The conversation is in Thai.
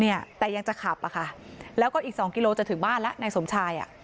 เนี่ยแต่ยังจะขับอะค่ะแล้วก็อีกสองกิโลจะถึงบ้านแล้วนายสมชายอ่ะ